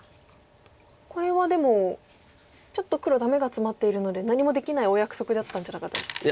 これはでもちょっと黒ダメがツマっているので何もできないお約束だったんじゃなかったんでしたっけ？